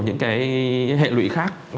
những cái hệ lụy khác